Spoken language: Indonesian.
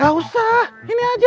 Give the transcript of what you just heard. nggak usah ini aja